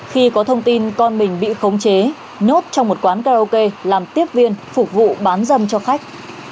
khi có thông tin con mình bị khống chế nhốt trong một quán karaoke làm tiếp viên phục vụ bán dâm cho khách